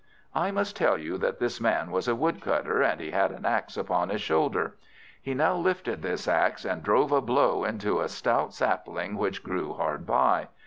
I must tell you that this Man was a woodcutter, and he had an axe upon his shoulder. He now lifted this axe and drove a blow into a stout sapling which grew hard by.